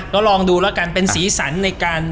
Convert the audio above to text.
ก็ลองดูแล้วกันเป็นสีสันในการ